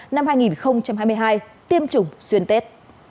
năm hai nghìn hai mươi hai tiêm chủng xuyên tết